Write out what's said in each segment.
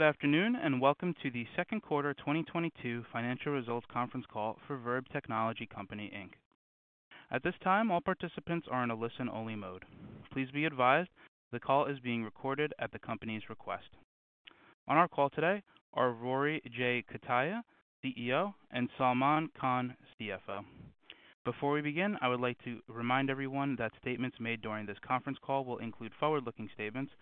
Good afternoon, and welcome to the Second Quarter 2022 Financial Results Conference Call for TON Strategy Company. At this time, all participants are in a listen-only mode. Please be advised that the call is being recorded at the company's request. On our call today are Rory J. Cutaia, CEO, and Salman Khan, CFO. Before we begin, I would like to remind everyone that statements made during this conference call will include forward-looking statements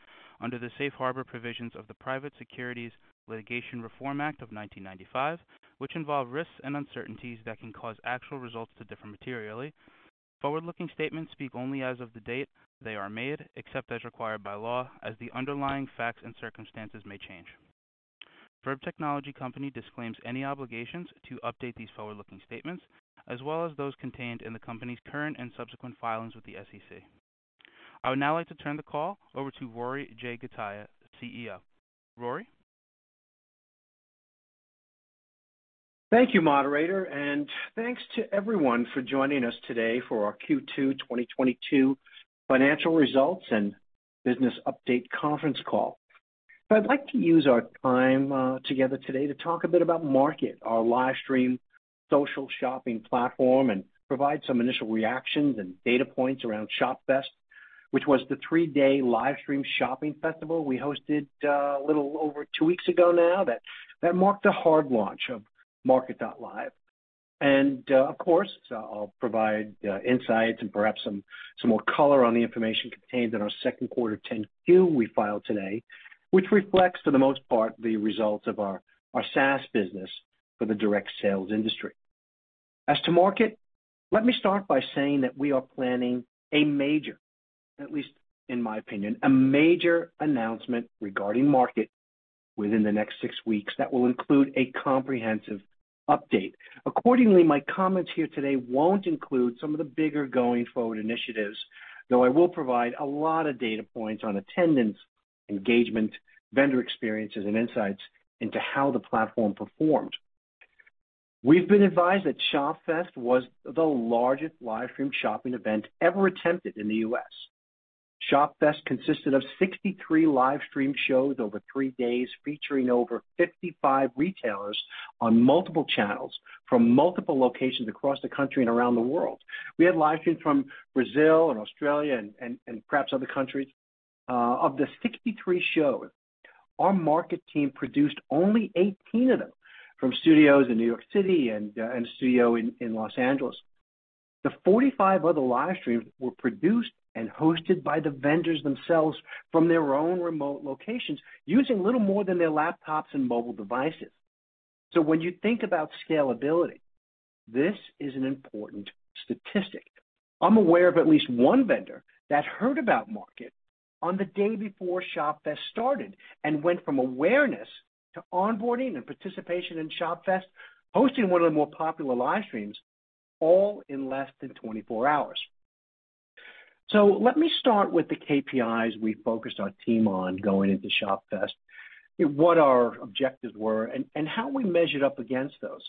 under the Safe Harbor provisions of the Private Securities Litigation Reform Act of 1995, which involve risks and uncertainties that can cause actual results to differ materially. Forward-looking statements speak only as of the date they are made, except as required by law, as the underlying facts and circumstances may change. Verb Technology Company disclaims any obligations to update these forward-looking statements, as well as those contained in the company's current and subsequent filings with the SEC. I would now like to turn the call over to Rory J. Cutaia, CEO. Rory? Thank you, moderator, and thanks to everyone for joining us today for our Q2 2022 financial results and business update conference call. I'd like to use our time together today to talk a bit about MARKET.live, our livestream social shopping platform, and provide some initial reactions and data points around Shopfest, which was the three-day livestream shopping festival we hosted a little over two weeks ago, now that marked the hard launch of MARKET.live. Of course, I'll provide insights and perhaps some more color on the information contained in our second quarter 10-Q we filed today, which reflects for the most part the results of our SaaS business for the direct sales industry. As to MARKET.live, let me start by saying that we are planning a major, at least in my opinion, a major announcement regarding MARKET.live within the next six weeks that will include a comprehensive update. Accordingly, my comments here today won't include some of the bigger going-forward initiatives, though I will provide a lot of data points on attendance, engagement, vendor experiences, and insights into how the platform performed. We've been advised that Shopfest was the largest livestream shopping event ever attempted in the U.S. Shopfest consisted of 63 livestream shows over three days, featuring over 55 retailers on multiple channels from multiple locations across the country and around the world. We had livestreams from Brazil and Australia and perhaps other countries. Of the 63 shows, our market team produced only 18 of them from studios in New York City and a studio in Los Angeles. The 45 other live streams were produced and hosted by the vendors themselves from their own remote locations, using little more than their laptops and mobile devices. When you think about scalability, this is an important statistic. I'm aware of at least one vendor that heard about MARKET.live on the day before Shopfest started and went from awareness to onboarding and participation in Shopfest, hosting one of the more popular live streams all in less than 24 hours. Let me start with the KPIs we focused our team on going into Shopfest, what our objectives were, and how we measured up against those.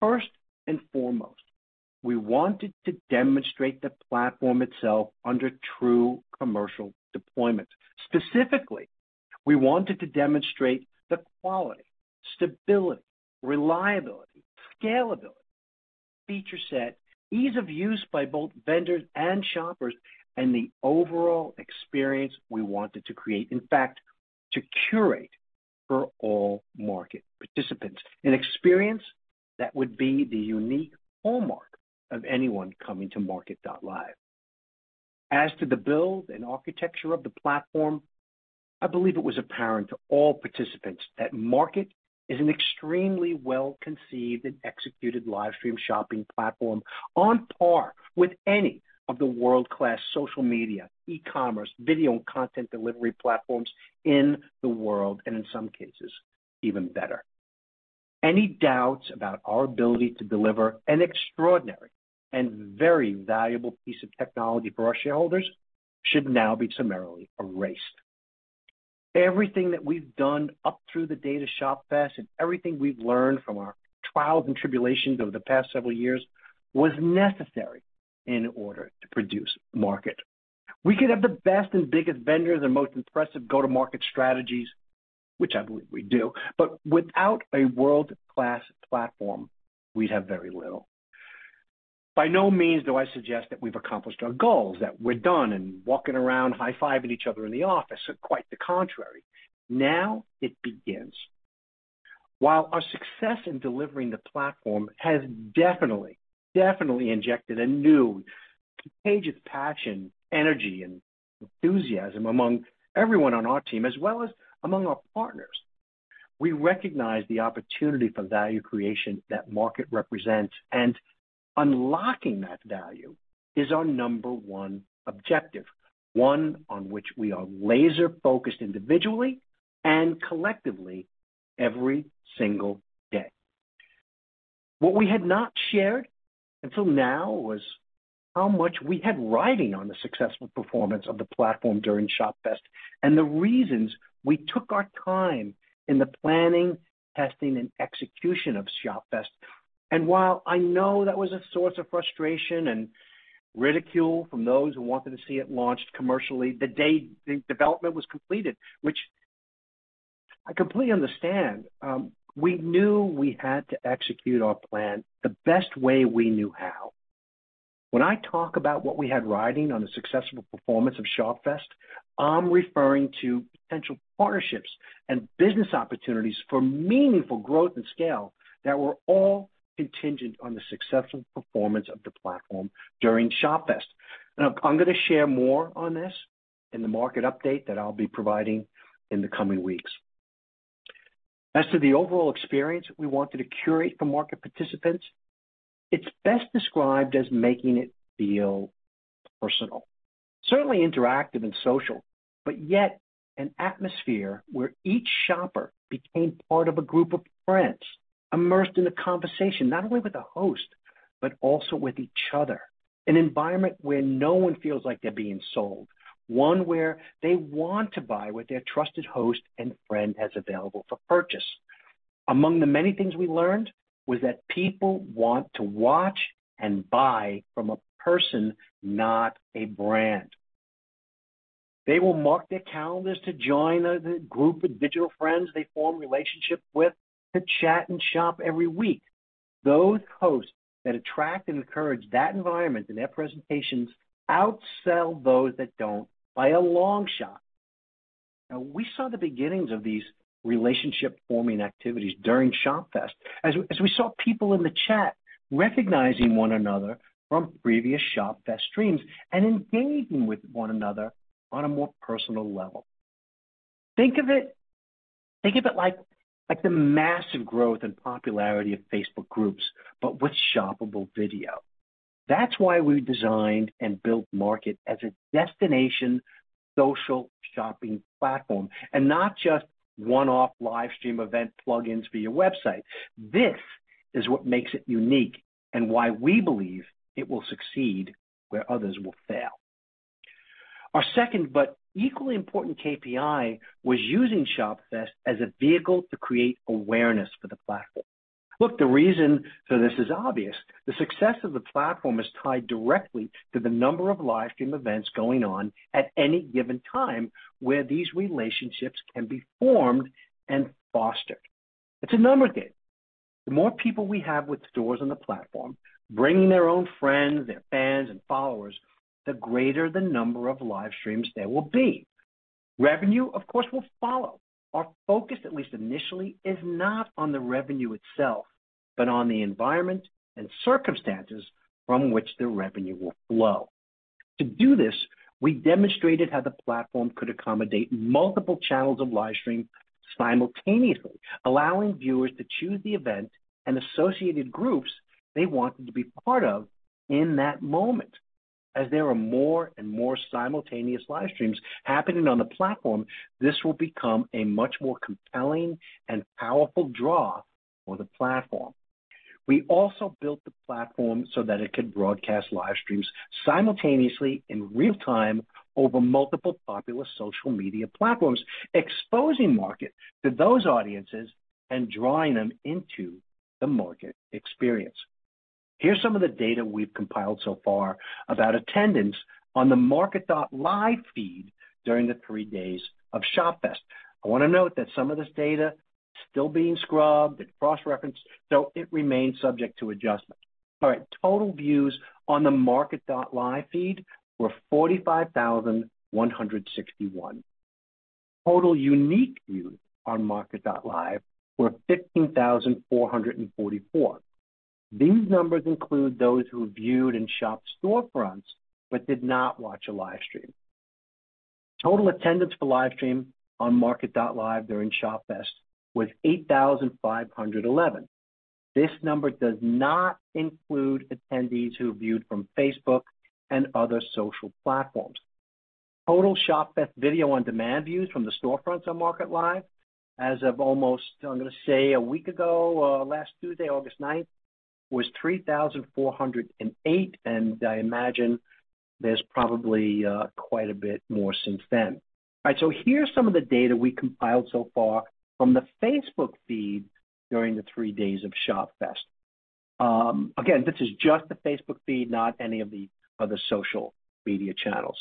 First and foremost, we wanted to demonstrate the platform itself under true commercial deployment. Specifically, we wanted to demonstrate the quality, stability, reliability, scalability, feature set, ease of use by both vendors and shoppers, and the overall experience we wanted to create, in fact, to curate for all market participants. An experience that would be the unique hallmark of anyone coming to MARKET.live. As to the build and architecture of the platform, I believe it was apparent to all participants that MARKET.live is an extremely well-conceived and executed livestream shopping platform on par with any of the world-class social media, e-commerce, video, and content delivery platforms in the world, and in some cases, even better. Any doubts about our ability to deliver an extraordinary and very valuable piece of technology for our shareholders should now be summarily erased. Everything that we've done up through the date of Shopfest and everything we've learned from our trials and tribulations over the past several years was necessary in order to produce Market. We could have the best and biggest vendors and most impressive go-to-market strategies, which I believe we do, but without a world-class platform, we'd have very little. By no means do I suggest that we've accomplished our goals, that we're done and walking around high-fiving each other in the office. Quite the contrary. Now it begins. While our success in delivering the platform has definitely injected a new contagious passion, energy, and enthusiasm among everyone on our team as well as among our partners, we recognize the opportunity for value creation that Market represents, and unlocking that value is our number one objective, one on which we are laser-focused individually and collectively every single day. What we had not shared until now was how much we had riding on the successful performance of the platform during Shopfest and the reasons we took our time in the planning, testing, and execution of Shopfest. While I know that was a source of frustration and ridicule from those who wanted to see it launched commercially the day the development was completed, which I completely understand, we knew we had to execute our plan the best way we knew how. When I talk about what we had riding on the successful performance of Shopfest, I'm referring to potential partnerships and business opportunities for meaningful growth and scale that were all contingent on the successful performance of the platform during Shopfest. Now, I'm gonna share more on this in the market update that I'll be providing in the coming weeks. As to the overall experience we wanted to curate for market participants, it's best described as making it feel personal. Certainly interactive and social, but yet an atmosphere where each shopper became part of a group of friends immersed in the conversation not only with the host, but also with each other. An environment where no one feels like they're being sold. One where they want to buy what their trusted host and friend has available for purchase. Among the many things we learned was that people want to watch and buy from a person, not a brand. They will mark their calendars to join a group of digital friends they form relationships with to chat and shop every week. Those hosts that attract and encourage that environment in their presentations outsell those that don't by a long shot. Now, we saw the beginnings of these relationship-forming activities during Shopfest as we saw people in the chat recognizing one another from previous Shopfest streams and engaging with one another on a more personal level. Think of it like the massive growth and popularity of Facebook Groups, but with shoppable video. That's why we designed and built MARKET.live as a destination social shopping platform and not just one-off live stream event plugins for your website. This is what makes it unique and why we believe it will succeed where others will fail. Our second but equally important KPI was using Shopfest as a vehicle to create awareness for the platform. Look, the reason for this is obvious. The success of the platform is tied directly to the number of live stream events going on at any given time where these relationships can be formed and fostered. It's a number game. The more people we have with stores on the platform, bringing their own friends, their fans, and followers, the greater the number of live streams there will be. Revenue, of course, will follow. Our focus, at least initially, is not on the revenue itself, but on the environment and circumstances from which the revenue will flow. To do this, we demonstrated how the platform could accommodate multiple channels of live streaming simultaneously, allowing viewers to choose the event and associated groups they wanted to be part of in that moment. As there are more and more simultaneous live streams happening on the platform, this will become a much more compelling and powerful draw for the platform. We also built the platform so that it could broadcast live streams simultaneously in real time over multiple popular social media platforms, exposing MARKET.live to those audiences and drawing them into the MARKET.live experience. Here's some of the data we've compiled so far about attendance on the MARKET.live feed during the three days of Shopfest. I want to note that some of this data is still being scrubbed and cross-referenced, so it remains subject to adjustment. All right. Total views on the MARKET.live feed were 45,161. Total unique views on MARKET.live were 15,444. These numbers include those who viewed in shop storefronts but did not watch a live stream. Total attendance for live stream on MARKET.live during Shopfest was 8,511. This number does not include attendees who viewed from Facebook and other social platforms. Total Shopfest video on demand views from the storefronts on MARKET.live as of almost, I'm gonna say a week ago, last Tuesday, August 9th, was 3,408, and I imagine there's probably, quite a bit more since then. All right. Here's some of the data we compiled so far from the Facebook feed during the three days of Shopfest. Again, this is just the Facebook feed, not any of the other social media channels.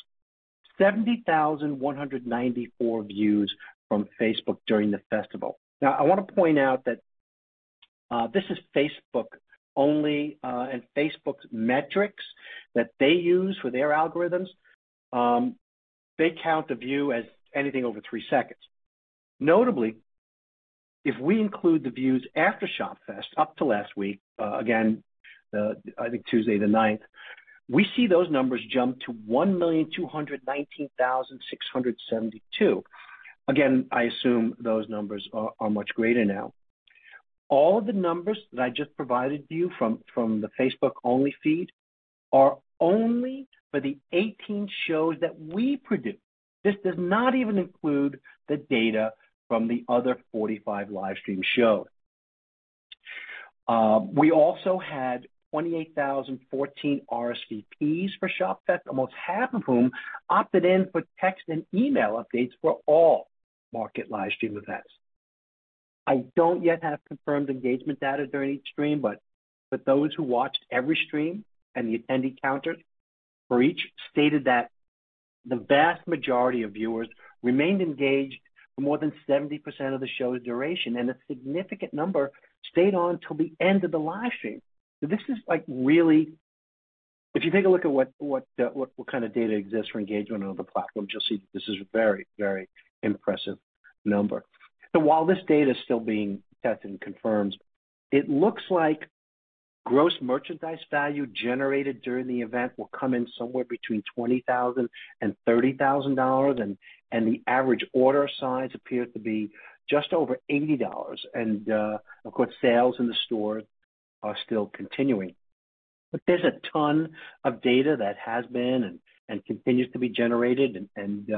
70,194 views from Facebook during the festival. Now, I want to point out that, this is Facebook only, and Facebook's metrics that they use for their algorithms, they count the view as anything over three seconds. Notably, if we include the views after Shopfest up to last week, again, I think Tuesday 9th, we see those numbers jump to 1,219,672. Again, I assume those numbers are much greater now. All of the numbers that I just provided to you from the Facebook-only feed are only for the 18 shows that we produced. This does not even include the data from the other 45 live stream shows. We also had 28,014 RSVPs for Shopfest, almost half of whom opted in for text and email updates for all MARKET.live stream events. I don't yet have confirmed engagement data during each stream, but those who watched every stream and the attendee counters for each stated that the vast majority of viewers remained engaged for more than 70% of the show's duration, and a significant number stayed on till the end of the live stream. This is like really. If you take a look at what kind of data exists for engagement on the platform, you'll see this is a very, very impressive number. While this data is still being tested and confirmed, it looks like gross merchandise value generated during the event will come in somewhere between $20,000 and $30,000, and the average order size appears to be just over $80. Of course, sales in the store are still continuing. There's a ton of data that has been and continues to be generated and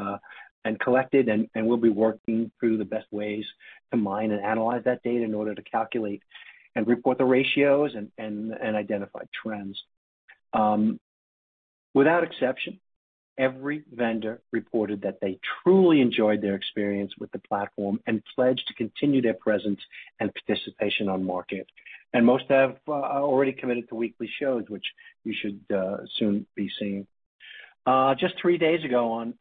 collected, and we'll be working through the best ways to mine and analyze that data in order to calculate and report the ratios and identify trends. Without exception, every vendor reported that they truly enjoyed their experience with the platform and pledged to continue their presence and participation on Market. Most have already committed to weekly shows, which we should soon be seeing. Just three days ago on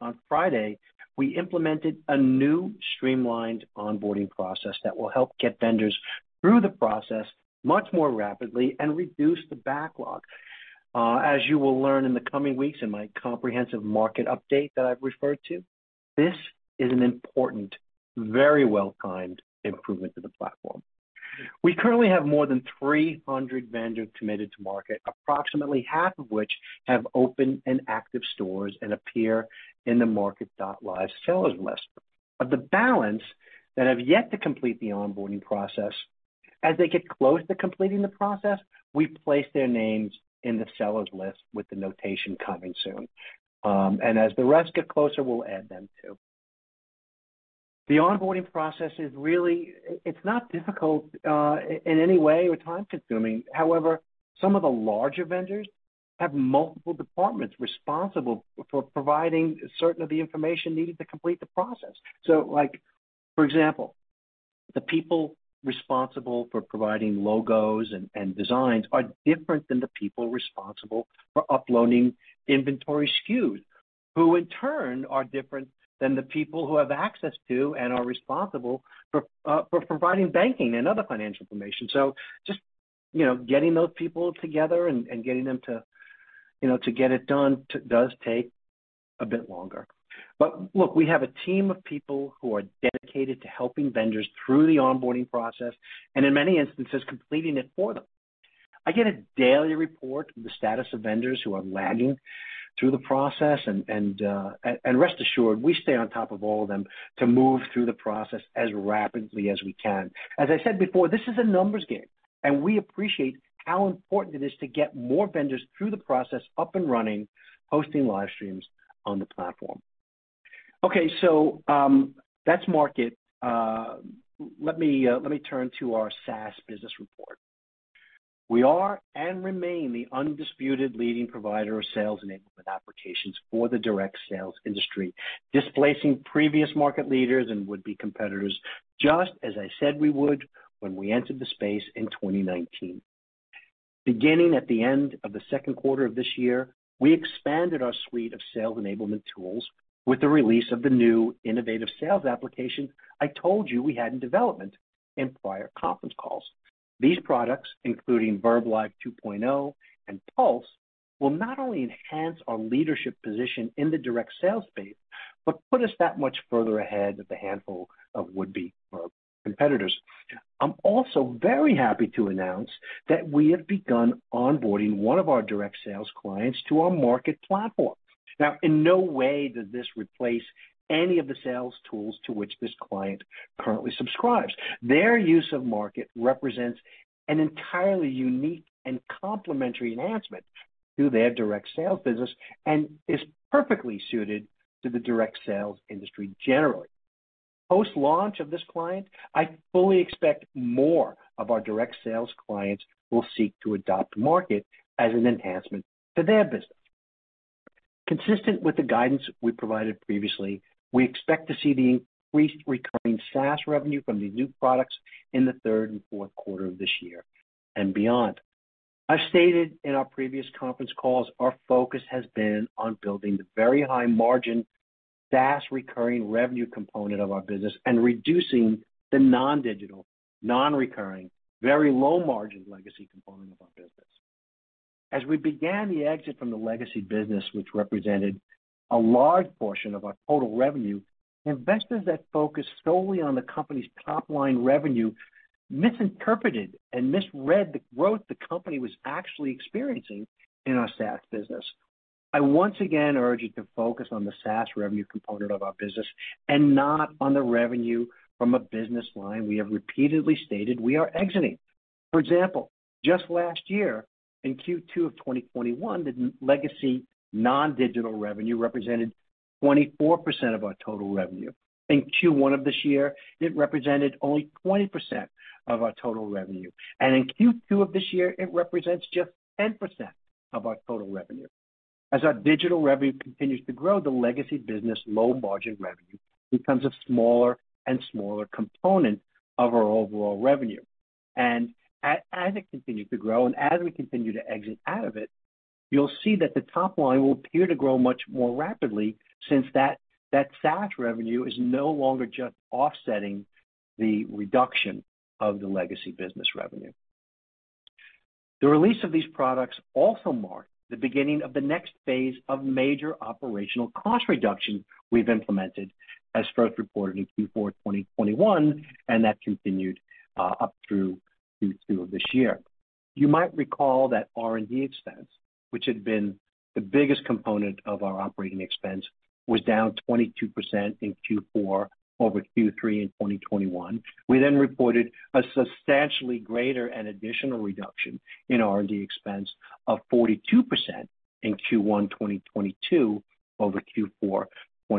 Friday, we implemented a new streamlined onboarding process that will help get vendors through the process much more rapidly and reduce the backlog. As you will learn in the coming weeks in my comprehensive market update that I've referred to, this is an important, very well-timed improvement to the platform. We currently have more than 300 vendors committed to MARKET.live, approximately half of which have open and active stores and appear in the MARKET.live sellers list. Of the balance that have yet to complete the onboarding process, as they get close to completing the process, we place their names in the sellers list with the notation, "Coming soon." As the rest get closer, we'll add them, too. The onboarding process is really. It's not difficult in any way or time-consuming. However, some of the larger vendors have multiple departments responsible for providing certain of the information needed to complete the process. Like, for example, the people responsible for providing logos and designs are different than the people responsible for uploading inventory SKUs, who in turn are different than the people who have access to and are responsible for providing banking and other financial information. Just, you know, getting those people together and getting them to, you know, to get it done does take a bit longer. Look, we have a team of people who are dedicated to helping vendors through the onboarding process and in many instances, completing it for them. I get a daily report of the status of vendors who are lagging through the process and rest assured, we stay on top of all of them to move through the process as rapidly as we can. As I said before, this is a numbers game, and we appreciate how important it is to get more vendors through the process up and running, hosting live streams on the platform. Okay. That's Market. Let me turn to our SaaS business report. We are and remain the undisputed leading provider of sales enablement applications for the direct sales industry, displacing previous market leaders and would-be competitors, just as I said we would when we entered the space in 2019. Beginning at the end of the second quarter of this year, we expanded our suite of sales enablement tools with the release of the new innovative sales application I told you we had in development in prior conference calls. These products, including verbLIVE 2.0 and Pulse, will not only enhance our leadership position in the direct sales space but put us that much further ahead of the handful of would-be competitors. I'm also very happy to announce that we have begun onboarding one of our direct sales clients to our MARKET.live platform. Now, in no way does this replace any of the sales tools to which this client currently subscribes. Their use of MARKET.live represents an entirely unique and complementary enhancement to their direct sales business and is perfectly suited to the direct sales industry generally. Post-launch of this client, I fully expect more of our direct sales clients will seek to adopt MARKET.live as an enhancement to their business. Consistent with the guidance we provided previously, we expect to see the increased recurring SaaS revenue from these new products in the third and fourth quarter of this year and beyond. I've stated in our previous conference calls our focus has been on building the very high margin, fast recurring revenue component of our business and reducing the non-digital, non-recurring, very low margin legacy component of our business. As we began the exit from the legacy business, which represented a large portion of our total revenue, investors that focus solely on the company's top-line revenue misinterpreted and misread the growth the company was actually experiencing in our SaaS business. I once again urge you to focus on the SaaS revenue component of our business and not on the revenue from a business line we have repeatedly stated we are exiting. For example, just last year in Q2 of 2021, the legacy non-digital revenue represented 24% of our total revenue. In Q1 of this year, it represented only 20% of our total revenue. In Q2 of this year, it represents just 10% of our total revenue. As our digital revenue continues to grow, the legacy business low margin revenue becomes a smaller and smaller component of our overall revenue. As it continues to grow and as we continue to exit out of it, you'll see that the top line will appear to grow much more rapidly since that SaaS revenue is no longer just offsetting the reduction of the legacy business revenue. The release of these products also marked the beginning of the next phase of major operational cost reduction we've implemented as first reported in Q4 of 2021, and that continued up through Q2 of this year. You might recall that R&D expense, which had been the biggest component of our operating expense, was down 22% in Q4 over Q3 in 2021. We then reported a substantially greater and additional reduction in R&D expense of 42% in Q1 2022 over Q4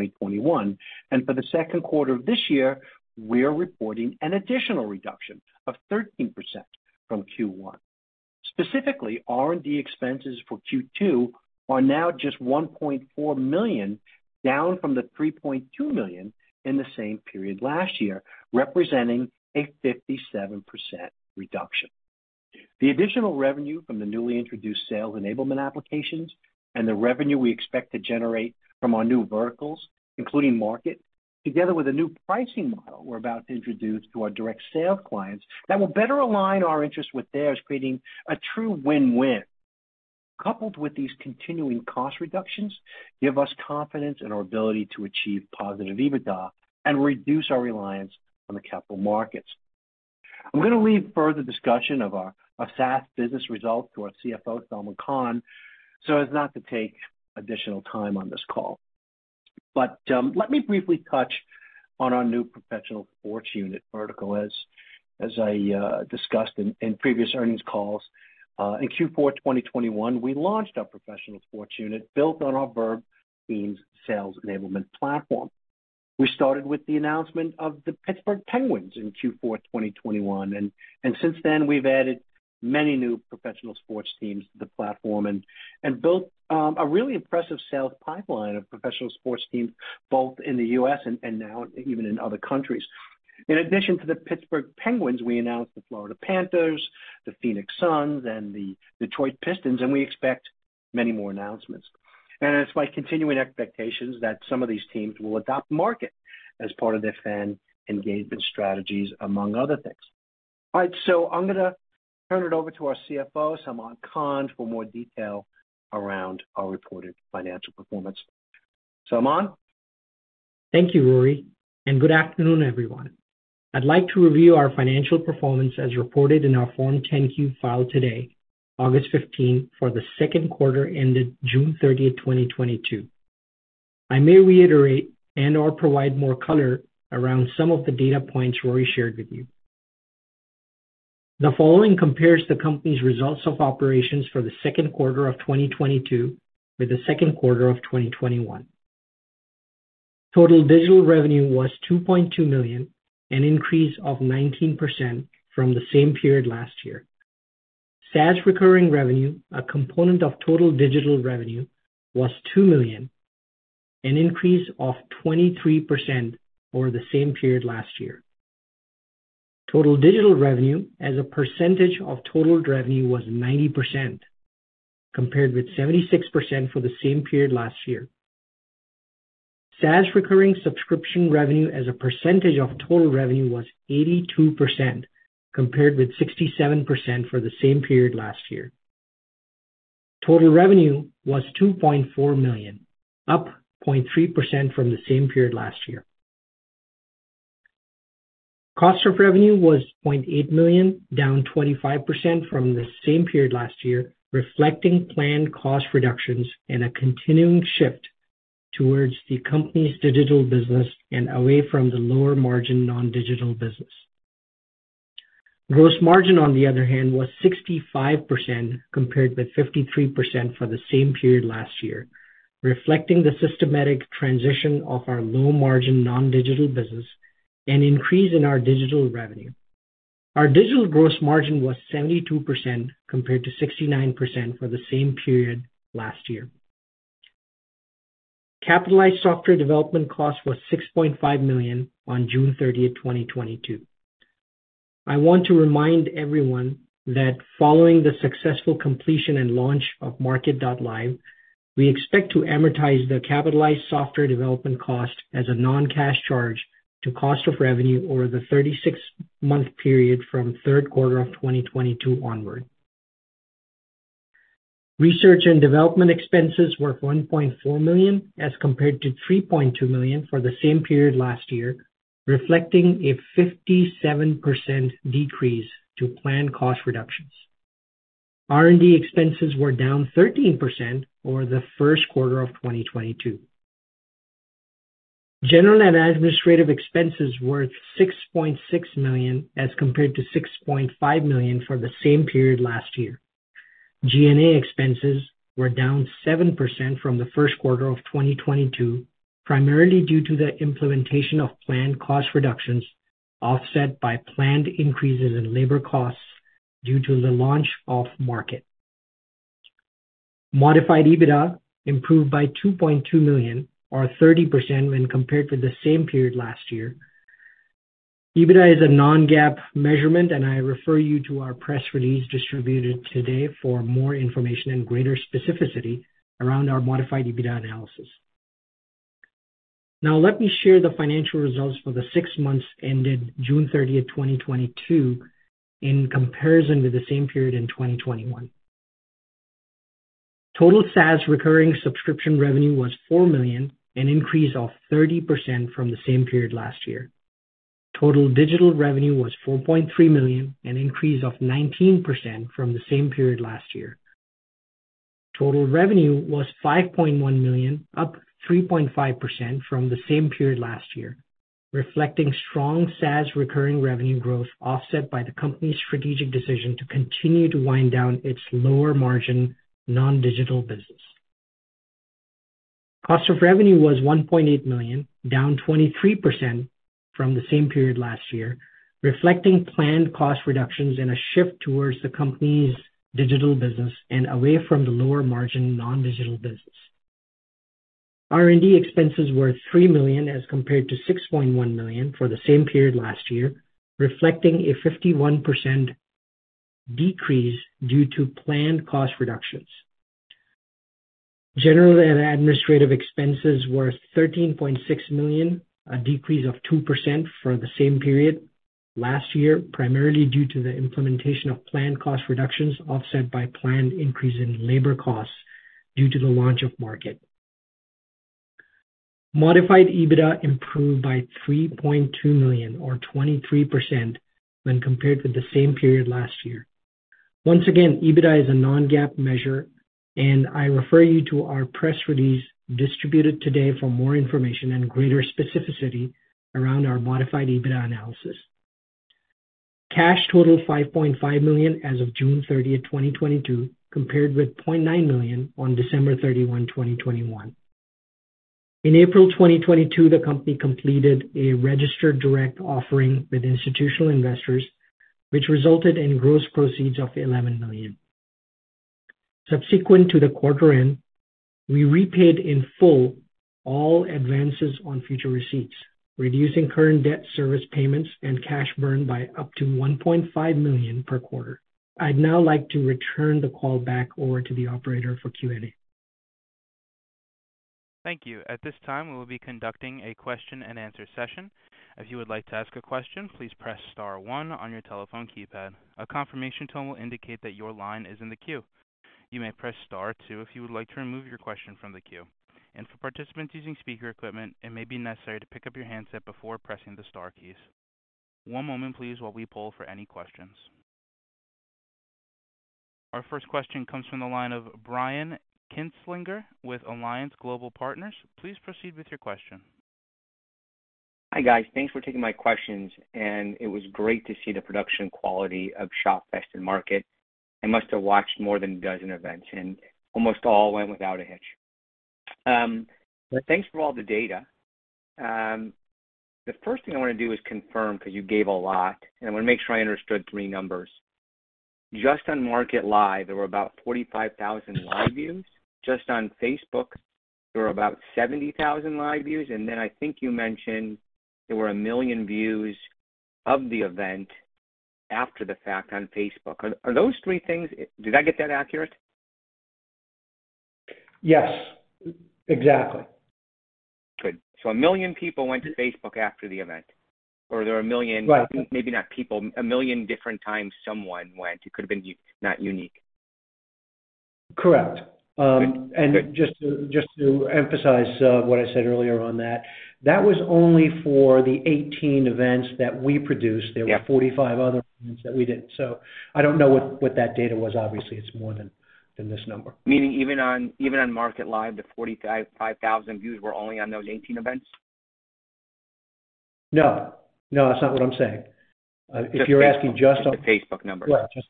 2021. For the second quarter of this year, we're reporting an additional reduction of 13% from Q1. Specifically, R&D expenses for Q2 are now just $1.4 million, down from the $3.2 million in the same period last year, representing a 57% reduction. The additional revenue from the newly introduced sales enablement applications and the revenue we expect to generate from our new verticals, including market, together with a new pricing model we're about to introduce to our direct sales clients that will better align our interests with theirs, creating a true win-win. Coupled with these continuing cost reductions, give us confidence in our ability to achieve positive EBITDA and reduce our reliance on the capital markets. I'm gonna leave further discussion of our SaaS business results to our CFO, Salman Khan, so as not to take additional time on this call. Let me briefly touch on our new professional sports unit vertical. I discussed in previous earnings calls, in Q4 of 2021, we launched our professional sports unit built on our verbTEAMS sales enablement platform. We started with the announcement of the Pittsburgh Penguins in Q4 2021. Since then we've added many new professional sports teams to the platform and built a really impressive sales pipeline of professional sports teams both in the U.S. and now even in other countries. In addition to the Pittsburgh Penguins, we announced the Florida Panthers, the Phoenix Suns, and the Detroit Pistons, and we expect many more announcements. It's my continuing expectations that some of these teams will adopt Market as part of their fan engagement strategies, among other things. All right. I'm gonna turn it over to our CFO, Salman Khan, for more detail around our reported financial performance. Salman. Thank you, Rory, and good afternoon, everyone. I'd like to review our financial performance as reported in our Form 10-Q filed today, August 15, for the second quarter ended June 30, 2022. I may reiterate and/or provide more color around some of the data points Rory shared with you. The following compares the company's results of operations for the second quarter of 2022 with the second quarter of 2021. Total digital revenue was $2.2 million, an increase of 19% from the same period last year. SaaS recurring revenue, a component of total digital revenue, was $2 million, an increase of 23% over the same period last year. Total digital revenue as a percentage of total revenue was 90%, compared with 76% for the same period last year. SaaS recurring subscription revenue as a percentage of total revenue was 82%, compared with 67% for the same period last year. Total revenue was $2.4 million, up 0.3% from the same period last year. Cost of revenue was $0.8 million, down 25% from the same period last year, reflecting planned cost reductions and a continuing shift towards the company's digital business and away from the lower margin non-digital business. Gross margin, on the other hand, was 65%, compared with 53% for the same period last year, reflecting the systematic transition of our low-margin non-digital business and increase in our digital revenue. Our digital gross margin was 72% compared to 69% for the same period last year. Capitalized software development cost was $6.5 million on June 30, 2022. I want to remind everyone that following the successful completion and launch of MARKET.live, we expect to amortize the capitalized software development cost as a non-cash charge to cost of revenue over the 36-month period from third quarter of 2022 onward. Research and development expenses were $1.4 million as compared to $3.2 million for the same period last year, reflecting a 57% decrease to planned cost reductions. R&D expenses were down 13% over the first quarter of 2022. General and administrative expenses were $6.6 million as compared to $6.5 million for the same period last year. G&A expenses were down 7% from the first quarter of 2022, primarily due to the implementation of planned cost reductions, offset by planned increases in labor costs due to the launch of MARKET.live. Modified EBITDA improved by $2.2 million or 30% when compared to the same period last year. EBITDA is a non-GAAP measurement, and I refer you to our press release distributed today for more information and greater specificity around our modified EBITDA analysis. Now let me share the financial results for the six months ended June 30, 2022 in comparison to the same period in 2021. Total SaaS recurring subscription revenue was $4 million, an increase of 30% from the same period last year. Total digital revenue was $4.3 million, an increase of 19% from the same period last year. Total revenue was $5.1 million, up 3.5% from the same period last year, reflecting strong SaaS recurring revenue growth, offset by the company's strategic decision to continue to wind down its lower margin non-digital business. Cost of revenue was $1.8 million, down 23% from the same period last year, reflecting planned cost reductions and a shift towards the company's digital business and away from the lower margin non-digital business. R&D expenses were $3 million as compared to $6.1 million for the same period last year, reflecting a 51% decrease due to planned cost reductions. General and administrative expenses were $13.6 million, a decrease of 2% for the same period last year, primarily due to the implementation of planned cost reductions, offset by planned increase in labor costs due to the launch of MARKET.live. Modified EBITDA improved by $3.2 million or 23% when compared with the same period last year. Once again, EBITDA is a non-GAAP measure, and I refer you to our press release distributed today for more information and greater specificity around our modified EBITDA analysis. Cash totaled $5.5 million as of June 30, 2022, compared with $0.9 million on December 31, 2021. In April 2022, the company completed a registered direct offering with institutional investors, which resulted in gross proceeds of $11 million. Subsequent to the quarter end, we repaid in full all advances on future receipts, reducing current debt service payments and cash burn by up to $1.5 million per quarter. I'd now like to return the call back over to the operator for Q&A. Thank you. At this time, we will be conducting a question and answer session. If you would like to ask a question, please press star one on your telephone keypad. A confirmation tone will indicate that your line is in the queue. You may press star two if you would like to remove your question from the queue. For participants using speaker equipment, it may be necessary to pick up your handset before pressing the star keys. One moment please while we poll for any questions. Our first question comes from the line of Brian Kinstlinger with Alliance Global Partners. Please proceed with your question. Hi, guys. Thanks for taking my questions, and it was great to see the production quality of Shopfest and MARKET.live. I must have watched more than a dozen events, and almost all went without a hitch. But thanks for all the data. The first thing I want to do is confirm, because you gave a lot, and I want to make sure I understood three numbers. Just on MARKET.live, there were about 45,000 live views. Just on Facebook, there were about 70,000 live views. I think you mentioned there were 1 million views of the event after the fact on Facebook. Are those three things? Did I get that accurate? Yes, exactly. Good. 1 million people went to Facebook after the event. Right. Maybe not people. 1 million different times someone went. It could have been not unique. Correct. Just to emphasize what I said earlier on that was only for the 18 events that we produced. Yeah. There were 45 other events that we didn't. I don't know what that data was. Obviously, it's more than this number. Meaning even on MARKET.live, the 45,500 views were only on those 18 events? No. No, that's not what I'm saying. If you're asking just on. Just the Facebook numbers. Well, just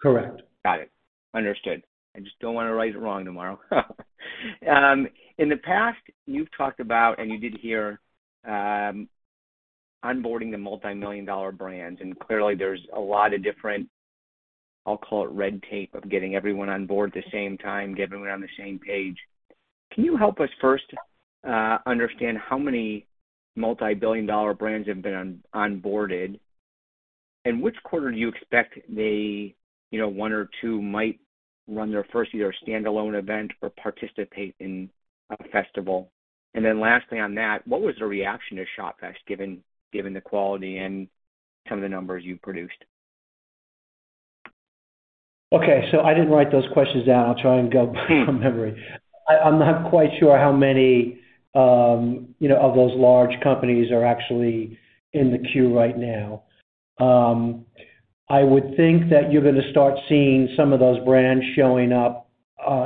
correct. Got it. Understood. I just don't wanna write it wrong tomorrow. In the past, you've talked about, and you did here, onboarding the multimillion-dollar brands, and clearly there's a lot of different, I'll call it red tape of getting everyone on board the same time, getting everyone on the same page. Can you help us first, understand how many multibillion-dollar brands have been onboarded? And which quarter do you expect they, you know, one or two might run their first either standalone event or participate in a festival? And then lastly on that, what was the reaction to Shopfest given the quality and some of the numbers you produced? Okay. I didn't write those questions down. I'll try and go from memory. I'm not quite sure how many, you know, of those large companies are actually in the queue right now. I would think that you're gonna start seeing some of those brands showing up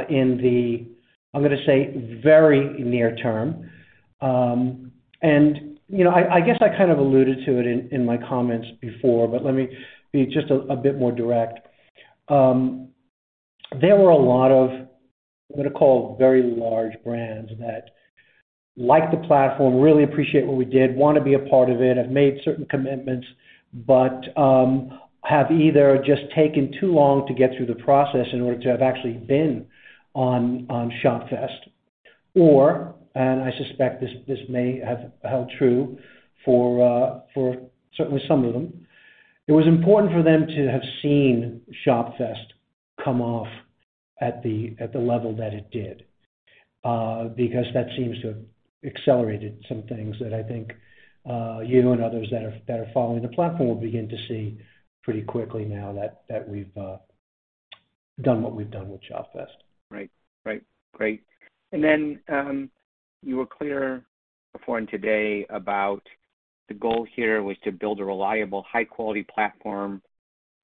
in the, I'm gonna say, very near term. You know, I guess I kind of alluded to it in my comments before, but let me be just a bit more direct. There were a lot of, I'm gonna call very large brands that like the platform, really appreciate what we did, wanna be a part of it, have made certain commitments, but have either just taken too long to get through the process in order to have actually been on Shopfest or, and I suspect this may have held true for certainly some of them. It was important for them to have seen Shopfest come off at the level that it did, because that seems to have accelerated some things that I think you and others that are following the platform will begin to see pretty quickly now that we've done what we've done with Shopfest. Right. Great. You were clear before and today about the goal here was to build a reliable, high quality platform,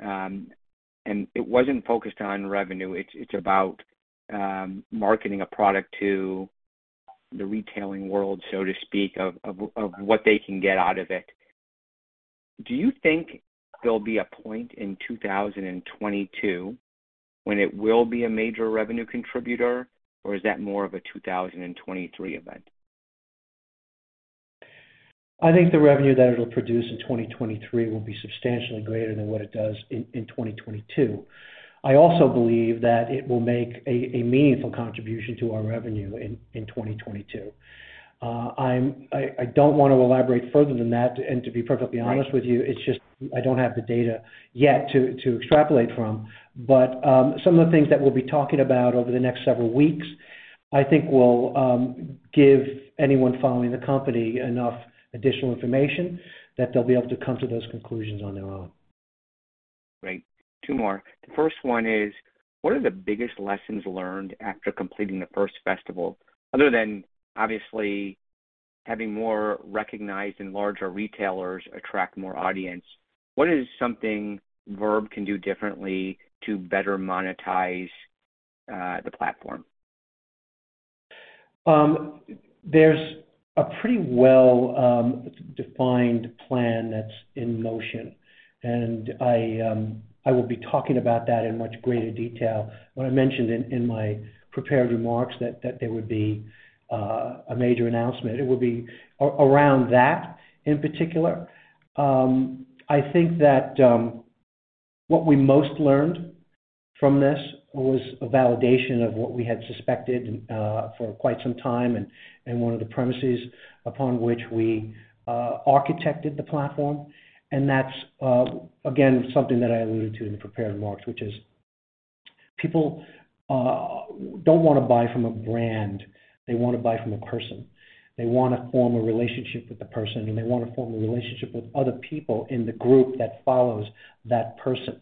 and it wasn't focused on revenue. It's about marketing a product to the retailing world, so to speak, of what they can get out of it. Do you think there'll be a point in 2022 when it will be a major revenue contributor, or is that more of a 2023 event? I think the revenue that it'll produce in 2023 will be substantially greater than what it does in 2022. I also believe that it will make a meaningful contribution to our revenue in 2022. I don't wanna elaborate further than that, and to be perfectly honest with you, it's just I don't have the data yet to extrapolate from. Some of the things that we'll be talking about over the next several weeks, I think will give anyone following the company enough additional information that they'll be able to come to those conclusions on their own. Great. Two more. The first one is, what are the biggest lessons learned after completing the first festival? Other than obviously having more recognized and larger retailers attract more audience, what is something Verb can do differently to better monetize the platform? There's a pretty well defined plan that's in motion, and I will be talking about that in much greater detail. When I mentioned in my prepared remarks that there would be a major announcement, it would be around that in particular. I think that what we most learned from this was a validation of what we had suspected for quite some time and one of the premises upon which we architected the platform. That's again something that I alluded to in the prepared remarks, which is people don't wanna buy from a brand, they wanna buy from a person. They wanna form a relationship with the person, and they wanna form a relationship with other people in the group that follows that person.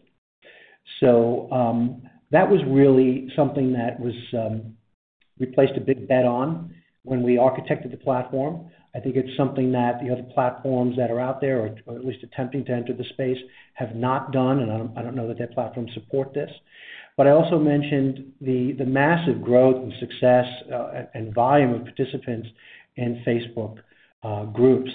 That was really something we placed a big bet on when we architected the platform. I think it's something that the other platforms that are out there or at least attempting to enter the space have not done, and I don't know that their platforms support this. But I also mentioned the massive growth and success and volume of participants in Facebook Groups.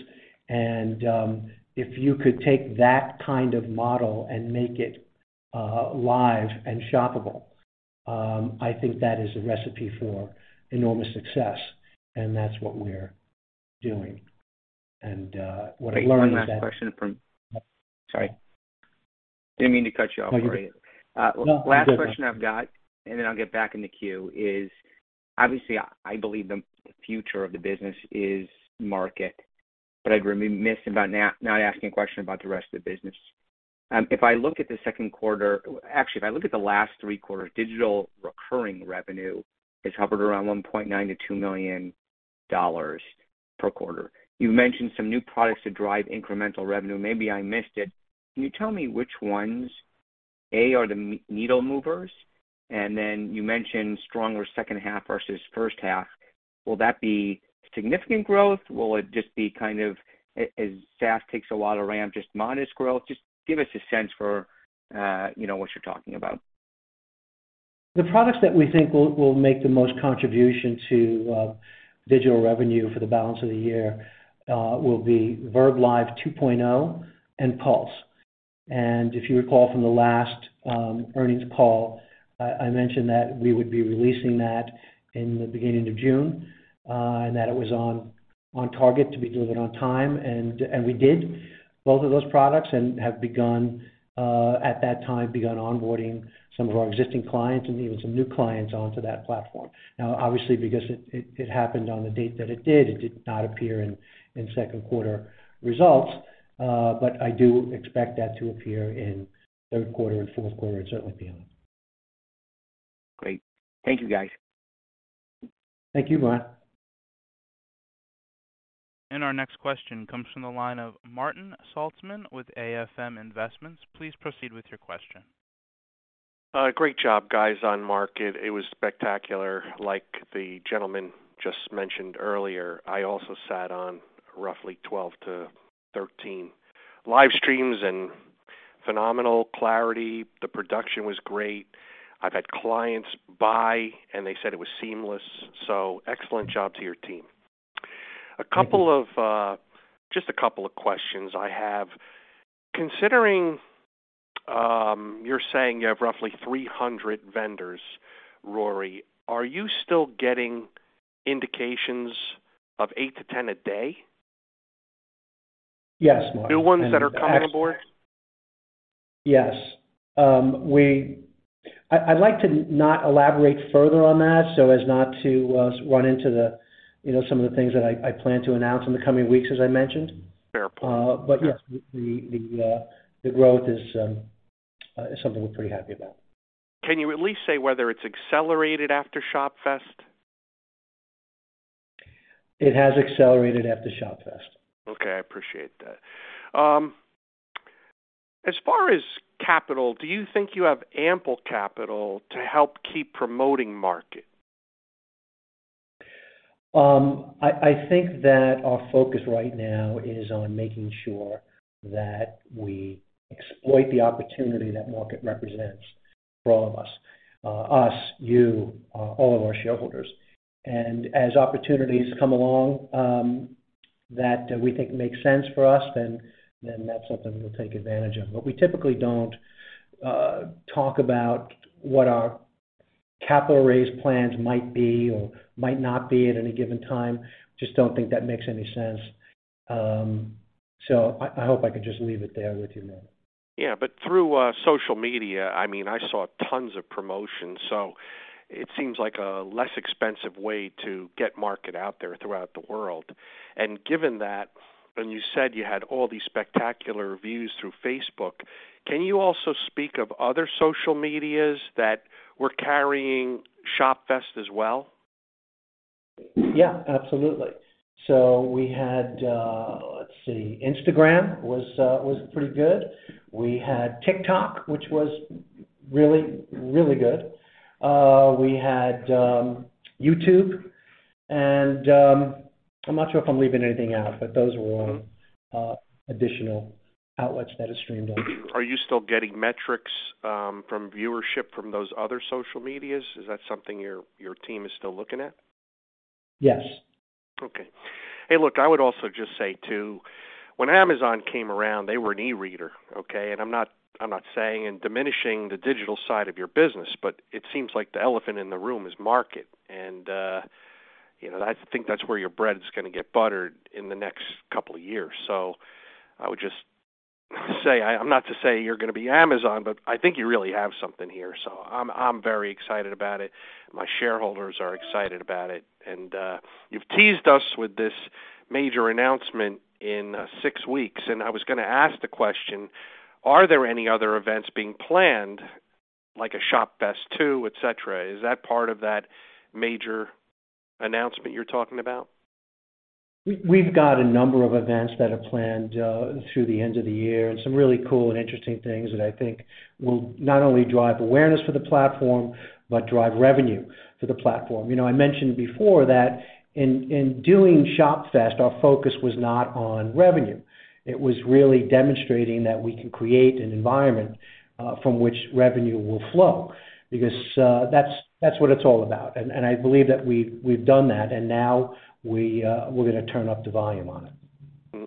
If you could take that kind of model and make it live and shoppable, I think that is a recipe for enormous success, and that's what we're doing. What I learned is that. Sorry, didn't mean to cut you off. No, you're good. Last question I've got, and then I'll get back in the queue, is obviously I believe the future of the business is market, but I'd be remiss about not asking a question about the rest of the business. If I look at the second quarter. Actually, if I look at the last three quarters, digital recurring revenue has hovered around $1.9 million-$2 million per quarter. You mentioned some new products to drive incremental revenue. Maybe I missed it. Can you tell me which ones, A, are the needle movers? And then you mentioned stronger second half versus first half. Will that be significant growth? Will it just be kind of as SaaS takes a lot of ramp, just modest growth? Just give us a sense for, you know, what you're talking about. The products that we think will make the most contribution to digital revenue for the balance of the year will be verbLIVE 2.0 and Pulse. If you recall from the last earnings call, I mentioned that we would be releasing that in the beginning of June and that it was on target to be delivered on time. We did both of those products and have begun at that time onboarding some of our existing clients and even some new clients onto that platform. Now, obviously, because it happened on the date that it did, it did not appear in second quarter results, but I do expect that to appear in third quarter and fourth quarter and certainly beyond. Great. Thank you, guys. Thank you, Brian. Our next question comes from the line of Martin Saltzman with AFM Investments. Please proceed with your question. Great job, guys, on market. It was spectacular. Like the gentleman just mentioned earlier, I also sat on roughly 12-13 live streams and phenomenal clarity. The production was great. I've had clients buy, and they said it was seamless, so excellent job to your team. A couple of, just a couple of questions I have. Considering, you're saying you have roughly 300 vendors, Rory, are you still getting indications of 8-10 a day? Yes. New ones that are coming aboard? Yes. I'd like to not elaborate further on that so as not to run into the, you know, some of the things that I plan to announce in the coming weeks, as I mentioned. Fair point. Yes, the growth is something we're pretty happy about. Can you at least say whether it's accelerated after Shopfest? It has accelerated after Shopfest. Okay. I appreciate that. As far as capital, do you think you have ample capital to help keep promoting MARKET.live? I think that our focus right now is on making sure that we exploit the opportunity that market represents for all of us, you, all of our shareholders. As opportunities come along that we think make sense for us, then that's something we'll take advantage of. We typically don't talk about what our capital raise plans might be or might not be at any given time. Just don't think that makes any sense. I hope I could just leave it there with you now. Yeah. Through social media, I mean, I saw tons of promotions, so it seems like a less expensive way to get market out there throughout the world. Given that, you said you had all these spectacular views through Facebook. Can you also speak of other social medias that were carrying Shopfest as well? Yeah. Absolutely. We had, let's see, Instagram was pretty good. We had TikTok, which was really, really good. We had YouTube, and I'm not sure if I'm leaving anything out, but those were all additional outlets that it streamed on. Are you still getting metrics from viewership from those other social medias? Is that something your team is still looking at? Yes. Okay. Hey, look, I would also just say too, when Amazon came around, they were an e-reader, okay? I'm not saying I'm diminishing the digital side of your business, but it seems like the elephant in the room is market. You know, I think that's where your bread is gonna get buttered in the next couple of years. I would just say, I'm not to say you're gonna be Amazon, but I think you really have something here. I'm very excited about it. My shareholders are excited about it. You've teased us with this major announcement in 6 weeks, and I was gonna ask the question, are there any other events being planned, like a Shopfest 2, et cetera? Is that part of that major announcement you're talking about? We've got a number of events that are planned through the end of the year and some really cool and interesting things that I think will not only drive awareness for the platform, but drive revenue for the platform. You know, I mentioned before that in doing Shopfest, our focus was not on revenue. It was really demonstrating that we can create an environment from which revenue will flow because that's what it's all about. I believe that we've done that, and now we're gonna turn up the volume on it.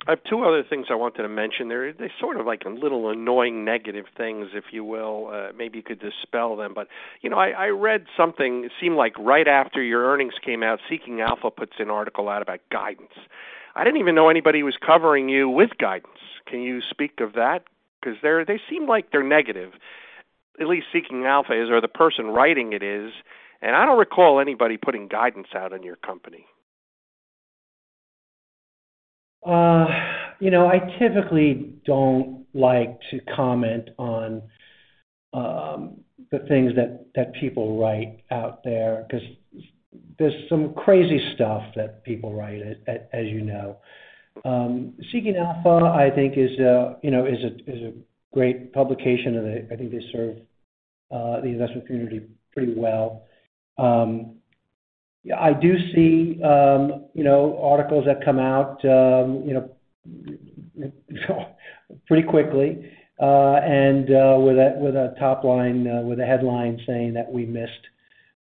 I have two other things I wanted to mention. They're sort of like a little annoying negative things, if you will. Maybe you could dispel them. You know, I read something, it seemed like right after your earnings came out, Seeking Alpha puts an article out about guidance. I didn't even know anybody was covering you with guidance. Can you speak of that? Because they're, they seem like they're negative. At least Seeking Alpha is or the person writing it is. I don't recall anybody putting guidance out on your company. You know, I typically don't like to comment on the things that people write out there because there's some crazy stuff that people write, as you know. Seeking Alpha, I think, is, you know, a great publication, and I think they serve the investment community pretty well. I do see, you know, articles that come out, you know, pretty quickly, and with a top line with a headline saying that we missed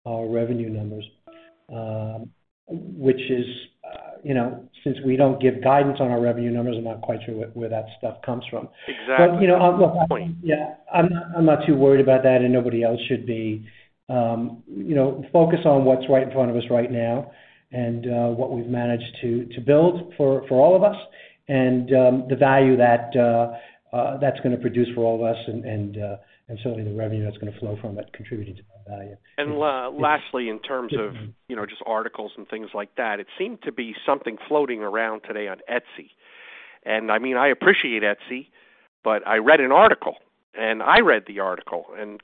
our revenue numbers, which is, you know, since we don't give guidance on our revenue numbers, I'm not quite sure where that stuff comes from. Exactly. You know, look, yeah, I'm not too worried about that, and nobody else should be. You know, focus on what's right in front of us right now and what we've managed to build for all of us and the value that's gonna produce for all of us and certainly the revenue that's gonna flow from it contributing to that value. Lastly, in terms of, you know, just articles and things like that, it seemed to be something floating around today on Etsy. I mean, I appreciate Etsy, but I read an article, and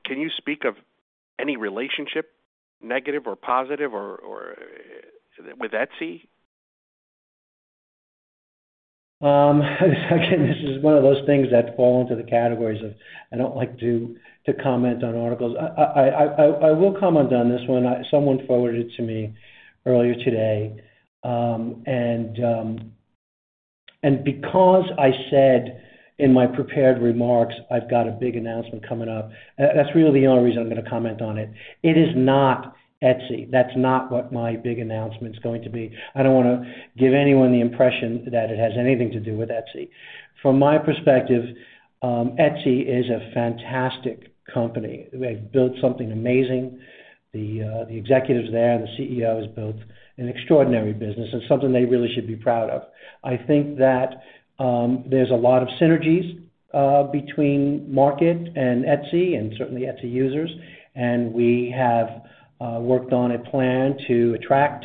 can you speak of any relationship, negative or positive or with Etsy? Again, this is one of those things that fall into the categories of, I don't like to comment on articles. I will comment on this one. Someone forwarded it to me earlier today, and because I said in my prepared remarks, I've got a big announcement coming up, that's really the only reason I'm gonna comment on it. It is not Etsy. That's not what my big announcement's going to be. I don't wanna give anyone the impression that it has anything to do with Etsy. From my perspective, Etsy is a fantastic company. They've built something amazing. The executives there, the CEO, has built an extraordinary business and something they really should be proud of. I think that there's a lot of synergies between MARKET.live and Etsy and certainly Etsy users, and we have worked on a plan to attract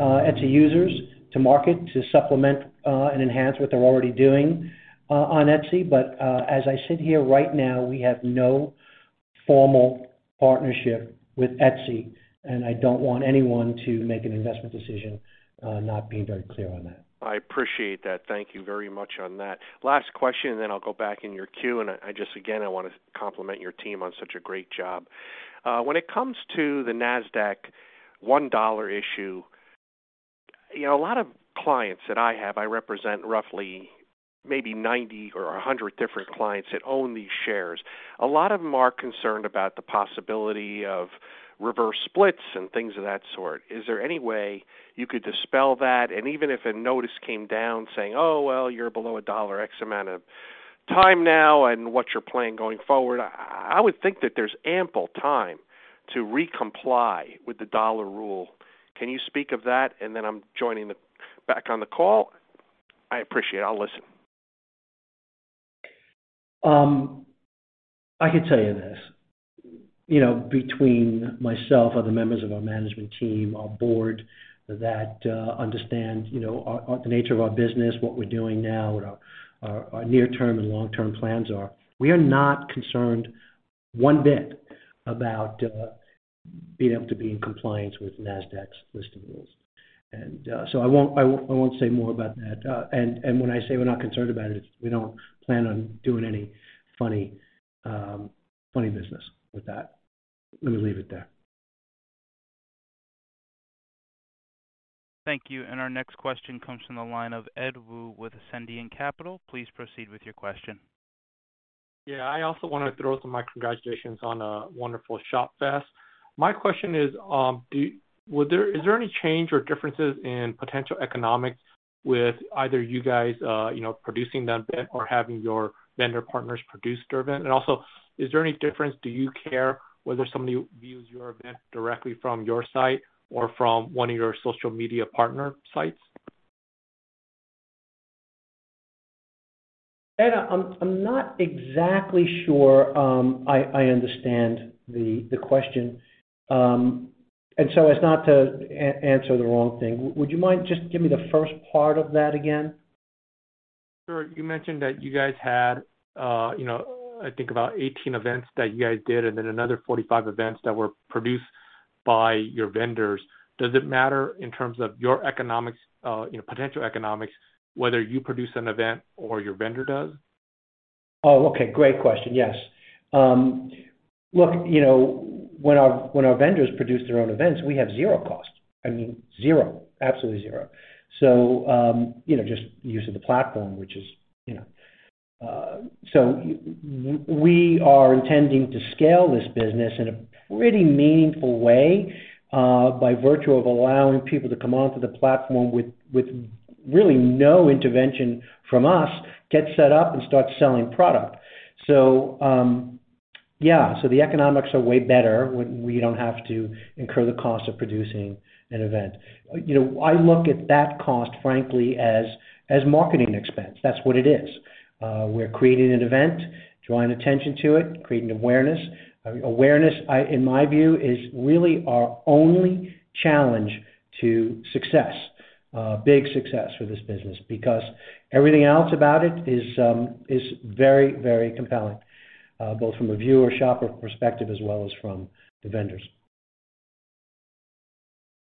Etsy users to MARKET.live to supplement and enhance what they're already doing on Etsy. As I sit here right now, we have no formal partnership with Etsy, and I don't want anyone to make an investment decision not being very clear on that. I appreciate that. Thank you very much on that. Last question, and then I'll go back in your queue, and I just, again, I wanna compliment your team on such a great job. When it comes to the Nasdaq $1 issue, you know, a lot of clients that I have, I represent roughly maybe 90 or 100 different clients that own these shares. A lot of them are concerned about the possibility of reverse splits and things of that sort. Is there any way you could dispel that? And even if a notice came down saying, "Oh, well, you're below a dollar X amount of time now," and what's your plan going forward? I would think that there's ample time to re-comply with the dollar rule. Can you speak of that? And then I'm joining the back on the call. I appreciate it. I'll listen. I can tell you this, you know, between myself, other members of our management team, our board that understand you know the nature of our business, what we're doing now, what our near-term and long-term plans are, we are not concerned one bit about being able to be in compliance with Nasdaq's listing rules. I won't say more about that. When I say we're not concerned about it, we don't plan on doing any funny business with that. Let me leave it there. Thank you. Our next question comes from the line of Edward Wu with Ascendiant Capital. Please proceed with your question. Yeah. I also wanna throw some of my congratulations on a wonderful Shopfest. My question is there any change or differences in potential economics with either you guys, you know, producing that event or having your vendor partners produce their event? Also, is there any difference? Do you care whether somebody views your event directly from your site or from one of your social media partner sites? Ed, I'm not exactly sure I understand the question. As not to answer the wrong thing, would you mind just giving me the first part of that again? Sure. You mentioned that you guys had, you know, I think about 18 events that you guys did and then another 45 events that were produced by your vendors. Does it matter in terms of your economics, you know, potential economics, whether you produce an event or your vendor does? Oh, okay. Great question. Yes. Look, you know, when our vendors produce their own events, we have zero cost. I mean, zero. Absolutely zero. Just use of the platform, which is, you know. We are intending to scale this business in a pretty meaningful way, by virtue of allowing people to come onto the platform with really no intervention from us, get set up and start selling product. The economics are way better when we don't have to incur the cost of producing an event. You know, I look at that cost, frankly as marketing expense. That's what it is. We're creating an event, drawing attention to it, creating awareness. Awareness, in my view, is really our only challenge to success, big success for this business because everything else about it is very, very compelling, both from a viewer shopper perspective as well as from the vendors.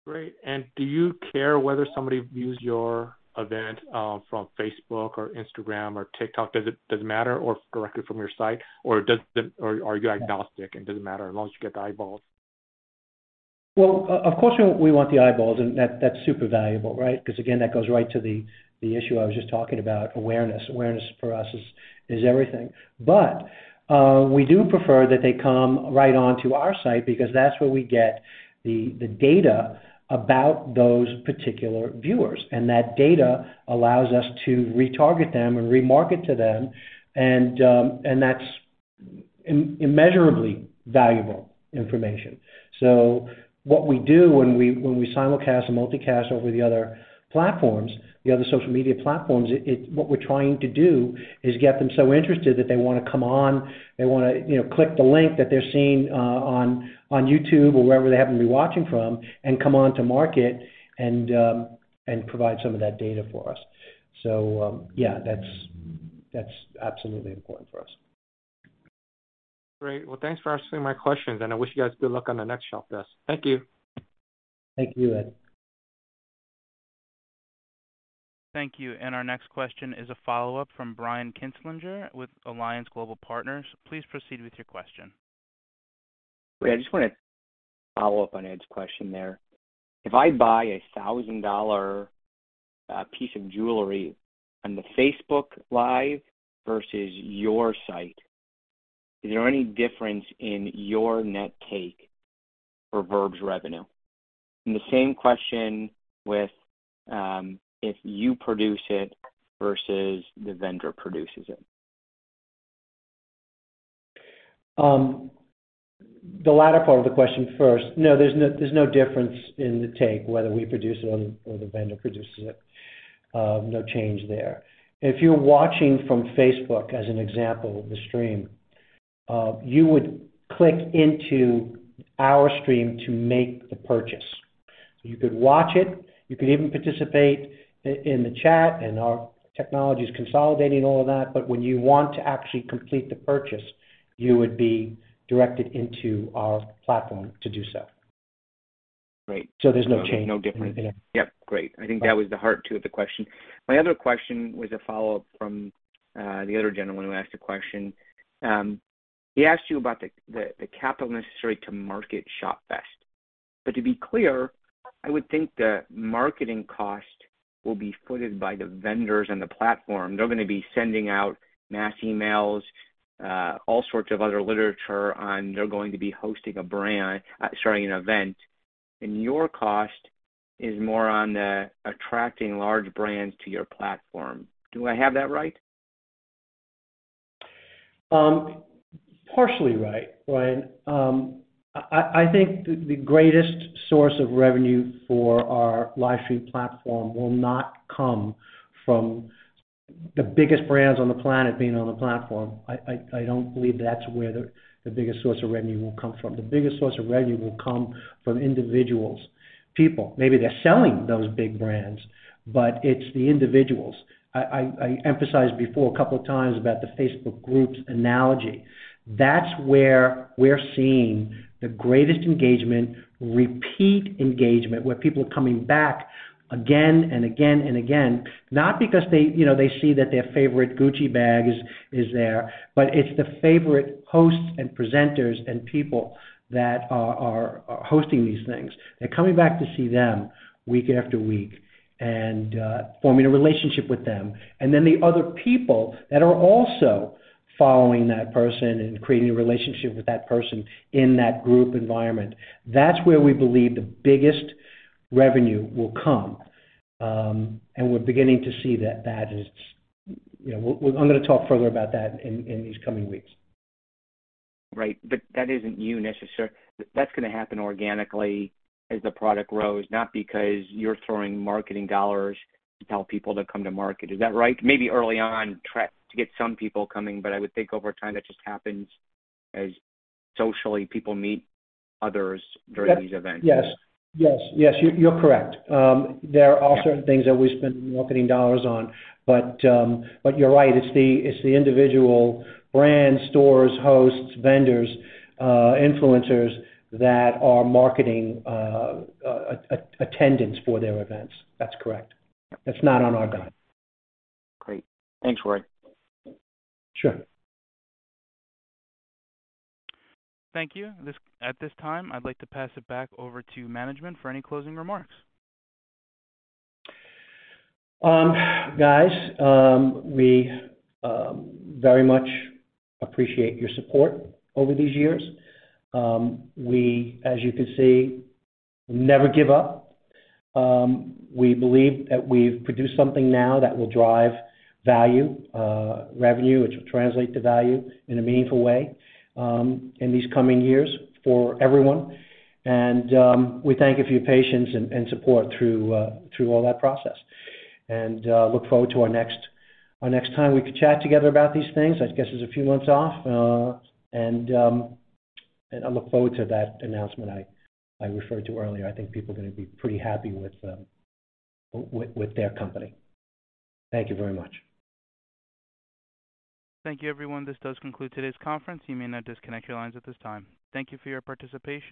Great. Do you care whether somebody views your event from Facebook or Instagram or TikTok? Does it matter or directly from your site? Or are you agnostic and doesn't matter as long as you get the eyeballs? Well, of course, we want the eyeballs, and that's super valuable, right? 'Cause again, that goes right to the issue I was just talking about awareness. Awareness for us is everything. We do prefer that they come right onto our site because that's where we get the data about those particular viewers. That data allows us to retarget them and remarket to them, and that's immeasurably valuable information. What we do when we simulcast and multicast over the other platforms, the other social media platforms. What we're trying to do is get them so interested that they wanna come on, you know, click the link that they're seeing on YouTube or wherever they happen to be watching from, and come on to market and provide some of that data for us. Yeah, that's absolutely important for us. Great. Well, thanks for answering my questions, and I wish you guys good luck on the next Shopfest. Thank you. Thank you, Ed. Thank you. Our next question is a follow-up from Brian Kinstlinger with Alliance Global Partners. Please proceed with your question. I just wanna follow up on Ed's question there. If I buy a $1,000 piece of jewelry on the Facebook Live versus your site, is there any difference in your net take for Verb's revenue? The same question with, if you produce it versus the vendor produces it. The latter part of the question first. No, there's no difference in the take whether we produce it or the vendor produces it. No change there. If you're watching from Facebook, as an example, the stream, you would click into our stream to make the purchase. You could watch it, you could even participate in the chat, and our technology is consolidating all of that, but when you want to actually complete the purchase, you would be directed into our platform to do so. Great. There's no change. No difference. Yeah. Yep, great. I think that was the heart of the question. My other question was a follow-up from the other gentleman who asked a question. He asked you about the capital necessary to market Shopfest. To be clear, I would think the marketing cost will be footed by the vendors and the platform. They're gonna be sending out mass emails, all sorts of other literature, and they're going to be starting an event. Your cost is more on attracting large brands to your platform. Do I have that right? Partially right, Brian. I think the greatest source of revenue for our live stream platform will not come from the biggest brands on the planet being on the platform. I don't believe that's where the biggest source of revenue will come from. The biggest source of revenue will come from individuals, people. Maybe they're selling those big brands, but it's the individuals. I emphasized before a couple of times about the Facebook Groups analogy. That's where we're seeing the greatest engagement, repeat engagement, where people are coming back again and again and again, not because they, you know, they see that their favorite Gucci bag is there, but it's the favorite hosts and presenters and people that are hosting these things. They're coming back to see them week after week and forming a relationship with them. The other people that are also following that person and creating a relationship with that person in that group environment. That's where we believe the biggest revenue will come. We're beginning to see that is. You know, I'm gonna talk further about that in these coming weeks. Right. That isn't you necessarily. That's gonna happen organically as the product grows, not because you're throwing marketing dollars to tell people to come to market. Is that right? Maybe early on try to get some people coming, but I would think over time that just happens as socially people meet others during these events. Yes, you're correct. There are certain things that we spend marketing dollars on, but you're right. It's the individual brands, stores, hosts, vendors, influencers that are marketing an attendance for their events. That's correct. That's not on our dime. Great. Thanks, Rory. Sure. Thank you. At this time, I'd like to pass it back over to management for any closing remarks. Guys, we very much appreciate your support over these years. We, as you can see, never give up. We believe that we've produced something now that will drive value, revenue, which will translate to value in a meaningful way, in these coming years for everyone. We thank you for your patience and support through all that process. Look forward to our next time we can chat together about these things. I guess it's a few months off, and I look forward to that announcement I referred to earlier. I think people are gonna be pretty happy with their company. Thank you very much. Thank you, everyone. This does conclude today's conference. You may now disconnect your lines at this time. Thank you for your participation.